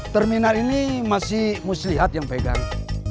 terminal ini masih muslihat yang pegang